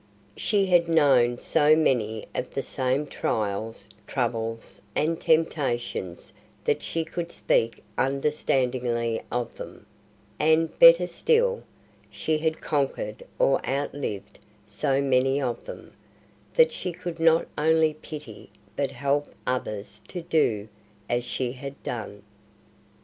She had known so many of the same trials, troubles, and temptations that she could speak understandingly of them; and, better still, she had conquered or outlived so many of them, that she could not only pity but help others to do as she had done.